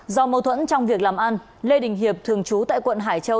do mâu thuẫn trong việc làm an lê đình hiệp thường trú tại quận hải châu